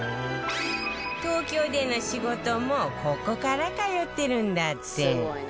東京での仕事もここから通ってるんだって大西：すごい。